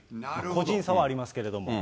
個人差はありますけれども。